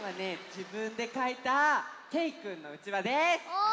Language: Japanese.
じぶんでかいたけいくんのうちわです！